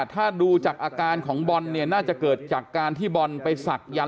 ถ้าดูจากอาการของบอลเนี่ยน่าจะเกิดจากการที่บอลไปศักดัน